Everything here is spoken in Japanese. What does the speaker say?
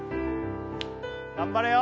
頑張れよ！